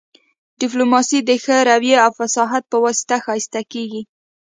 ډیپلوماسي د ښه رويې او فصاحت په واسطه ښایسته کیږي